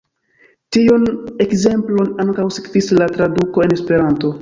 Tiun ekzemplon ankaŭ sekvis la traduko en esperanto.